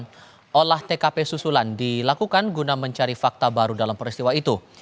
dan olah tkp susulan dilakukan guna mencari fakta baru dalam peristiwa itu